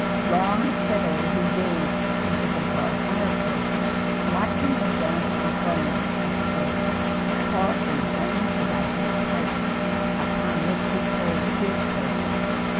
Long and steadily he gazed into the broad fireplace, watching the dancing flames at play, pausing only to light his pipe, upon which he pulled fiercely.